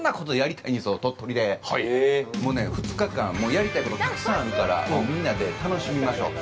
今回はもうね、２日間、もうやりたいことがたくさんあるから、みんなで楽しみましょう！